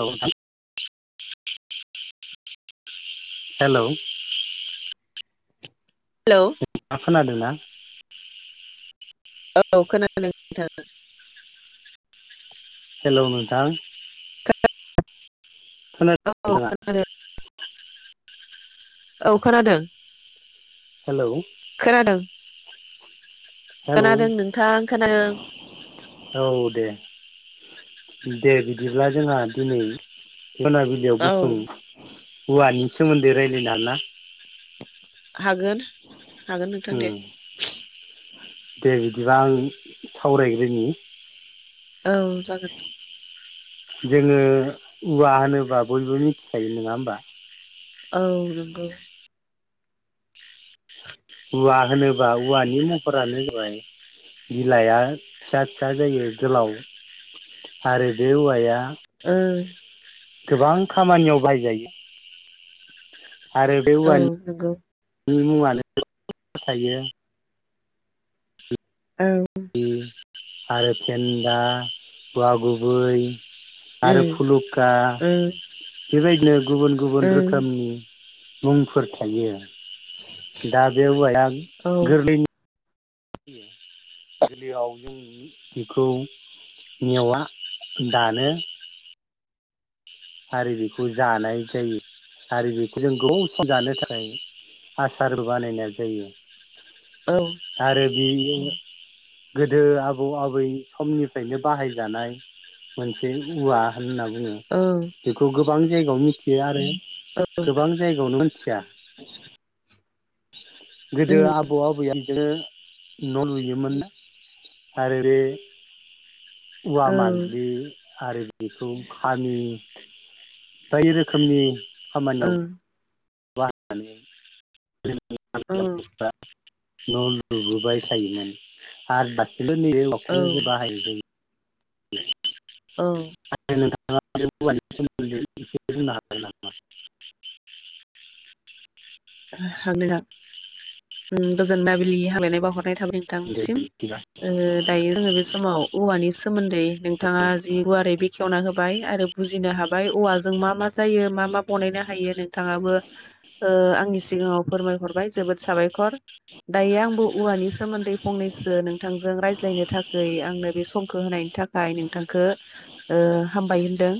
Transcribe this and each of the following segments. औ नोंथां। Hello hello मा खोनादों ना? [inaudible] औ खोनादों नोंथां। हेलौ नोंथां। औ खोनादों औ खोनादों। हेलौ। खोनादों हेलौ खोनादों नोंथां खोनादों। औ दे दे बिदिब्ला जोंहा दिनै मोनाबिलियाव औ गुसुं औवानि सोमोन्दै रायलायना [unintelligible] ना हागोन। हागोन नोंथां उम दे। दे बिदिबा आं सावरायग्रोनि औ जागोन। जोङो उवा होनोबा बयबो मिथिखायो नोङा होमबा औ नोंगौ। उवा होनोबा उवानि महरानो जाबाय बिलाइया फिसा फिसा जायो गोलाव आरो बे औवाया ओ। गोबां खामानियाव बाहायजायो। औ नोंगौ। मुवानो [unintelligible] थायो औ ओम। आरो फेन्दा उवा गुबै। आरो उम फुलुखा उम बेबायदिनो। गुबुन गुबुन उम रोखोमनि मुंफोर थायो। दा बे उवाया औ गोरलैनि गोरलैयाव जों बिखौ मेवआ दानो आरो बेखौ जानाय जायो आरो बेखौ जों गोबाव सम जानो थाखाय आसारबो बानायनाय जायो। औ आरो बेबायदिनो गोदो आबौ आबै समनिफ्रायनो बाहायजानाय मोनसे उवा होनना बुङो। औ बेखौ गोब गोबां जायगायाव मिथियो आरो गोबां जायगायावनो मिथि थिया गोदो उम आबौ -आबैआ न' लुयोमोन आरो बे उवा औ मानजि आरो बेखौ खामि बायदि रोखोमनि खामानियाव बा [unintelligible] औ औ न' लुबोबाय थायोमोन आरो बास बे ल जबा हायो जों द [inaudible] नोंथां। [inaudible] हागोनदा गोजोन दाबिलि हांग्लायनाय बावहरनाय थाबाय दे नोंथांनिसिम बिदिबा दायो जोङो बे समाव औवानि सोमोन्दै दै नोंथाङा जि गुवारै बे -खेवना होबाय आरो बुजिनो हाबाय औवाजों मा -मा जायो मा- मा बनायनो हायो नोंथाङाबो आंनि सिगाङाव फोरमायहरबाय जोबोद साबायखर दायो आंबो औवानि सोमोन्दै फंनैसो नोंथांजों रायज्लायनो थाखै आंनो बे समखौ होनायनि थाखाय नोंथां -खो हामबाय होनदों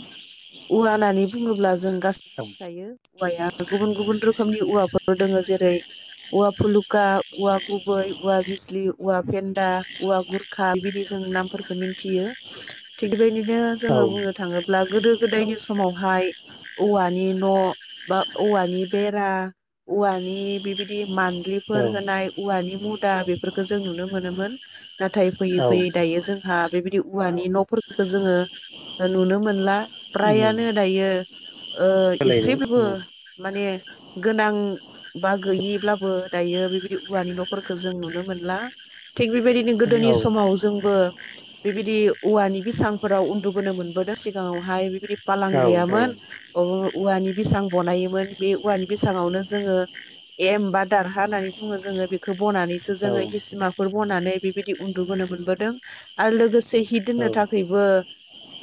औवा होननानै बुङोब्ला जों गासैबो औ मिथिखायो औवाया गुबुन -गुबुन रोखोमनि औवाफोर दोङो जेरै औवा फुलुखा, औवा गुबै, औवा बिजलि, औवा फेन्दा, औवा गुरखा बिबायदि जों नामफोरखौ मिथियो थिग बेबायदिनो बिदिनो औ जोङो बुंनो थाङोब्ला गोदो -गोदायनि समावहाय औवानि न' बा औवानि बेरा औवानि बिबायदि औ मान्लिफोर होनाय औवानि मु -दा बेफोरखौो जों नुनो मोनोमोन नाथाय फैयै- औ फैयै दायो जोंहा बेबायदि औवानि न'फोरखौथो जोङो नुनो मोनला। उम फ्रायआनो दायो ओ सोलायदों एसेबो उम माने गोनां बा गैयिब्लाबो दायो बेबायदि औवानि न'फोरखौ जों नुनो मोनला। थिग बेबायदिनो औ गोदोनि समाव जोंबो बेबायदि औवानि बिसांफोराव उन्दुबोनो मोनबोदों सिगाङावहाय बिदि फालां औ गैयामोन ओ औवानि बिसांं बनायोमोन बे औवानि बिसाङावनो जोङो एम बा दारहा होन्नानै बुङो जोङो बेखौ बनानैसो औ जोङो हिसिमाफोर बनानै बेबायदि उन्दुबोनो मोनबोदों आरो लोगोसे हि दोन्नो थाखैबो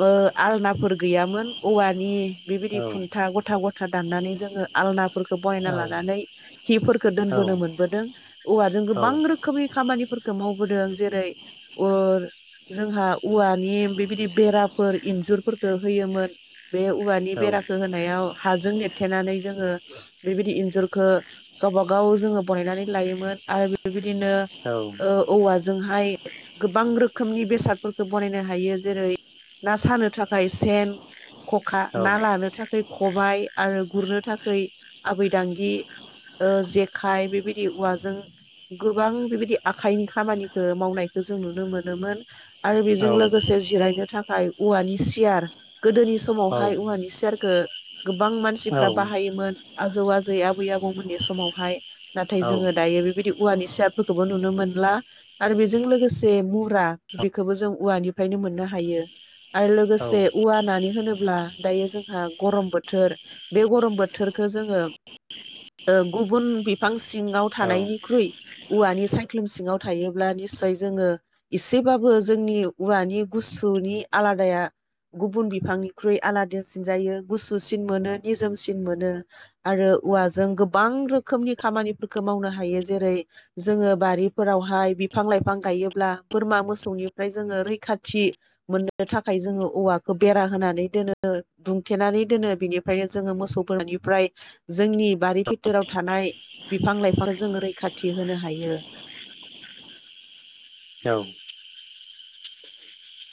ओ आलनाफोर गैयामोन औवानि बिबायदि खुन्था गथा गथ था दान्नानै जोङो आलना फोरखो बनायना लानानै हिफोरखौ दोनबोनो मोनबोदों औवाजों औ गोबां रोखोमनि खामानिफोर खो मावबोदों जेरै अर जोंहा औवानि बेबायदि बेराफोर इन्जुरफोरखो होयोमोन बे औवानि औ बेराखौ होनायाव हाजों लितथेनानै जोंङो बेबायदि इन्जुरखो गावब गाव जोङो बानायनानै लायोमोन आरो बेबायदिनो औ ओ औवाजोंहाय गोबां रोखोमनि बेसादफोरखौ बनायनो हायो जेरै ना सानो थाखाय सेन, ख'खा ना लानो थाखै खबाइ आरो गुरनो थाखै आबैदांगि ओ जेखाइ बेबायदि औवाजों गोबां बेबायदि आखाइनि खामानिखो मावनायखो जों नुनो मोनोमोन आरो औ बेजों लोगोसे जिरायनो थाखाय औवानि सियार गोदोनि औ समावहाय औवानि सियारखो गोबां औ मानसिफ्रा बाहायोमोन आजौ आजै आबै आबौमोननि समावहाय नाथाय औ जोङो दायो बेबायदि औवानि सियारफोरखौबो नुनो मोनला आरो बेजों लोगोसे मुरा बेखौबो जों औवानिफ्रायनो मोन्नो हायो आरो लोगोसे औवा होन्नानै होनोब्ला दायो जोंहा गरम बोथोर बे गरम बोथोर खो जोङो ओ गुबुन बिफां सिङाव औ थानायनिख्रुइ औवानि सायख्लुम सिङाव थायोब्ला निसय जोङो एसेबाबो जोंनि औवानि गुसुनि आलादाया गुबुन बिफांनिख्रुइ आलादासिन जायो गुसुसिन मोनो निजोमसिन मोनो आरो औवाजों गोबां रोखोमनि खामानिफोरखौ मावनो हायो जेरै जोङो बारिफोरावहाय बिफां लाइफां गायोब्ला बोरमा मोसौनिफ्राय जोङो रैखाथि मोन्नो थाखाय जोङो औवाखौ बेरा होनानै दोनो दुमथेनानै दोनो बेनिफ्रायनो जोङो मोसौ बोरमानि ओमफ्राय जोंनि बारि भिथोराव थानाय बिफां-लाइफां जोंङो रैखाथि होनो हायो औ